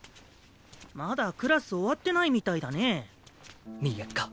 まだクラス終わってないみたいだね。